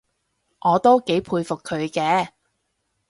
我都幾佩服佢嘅